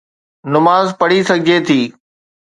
نماز پڙهي سگهجي ٿي.